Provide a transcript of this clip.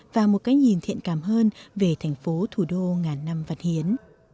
và một cái nhìn thiện cảm hơn về thành phố thủ đô ngàn năm văn hiến